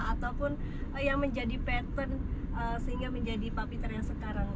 ataupun yang menjadi pattern sehingga menjadi pak peter yang sekarang